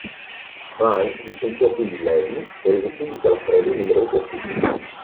Rhine licenziò quindi Levy e rese pubblica la frode in numerosi articoli.